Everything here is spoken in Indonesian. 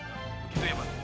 begitu ya bang